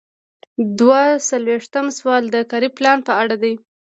دوه څلویښتم سوال د کاري پلان په اړه دی.